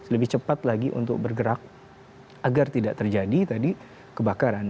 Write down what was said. lebih cepat lagi untuk bergerak agar tidak terjadi tadi kebakaran